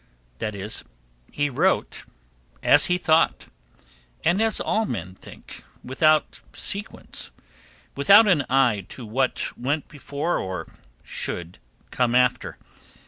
That is, he wrote as he thought, and as all men think, without sequence, without an eye to what went before or should come after.